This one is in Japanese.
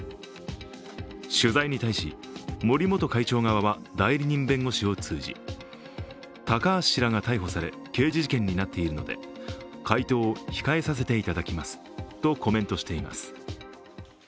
取材に対し、森元会長側は代理人弁護士を通じ高橋氏らが逮捕され、刑事事件になっているので回答を控えさせていただきますとコメントしています。